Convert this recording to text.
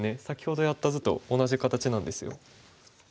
先ほどやった図と同じ形なんですよ。